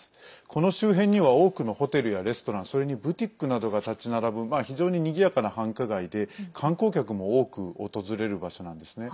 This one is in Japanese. この周辺には多くのホテルやレストランそれにブティックなどが立ち並ぶ非常ににぎやかな繁華街で観光客も多く訪れる場所なんですね。